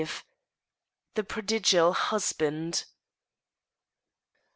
THE PRODIGAL HUSBAND.